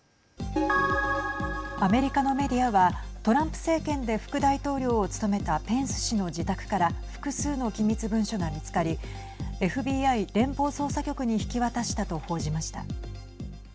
アメリカのメディアはトランプ政権で副大統領を務めたペンス氏の自宅から複数の機密文書が見つかりＦＢＩ＝連邦捜査局に引き渡したと報じました。